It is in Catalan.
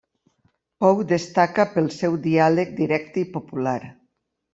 Pou destaca pel seu diàleg directe i popular.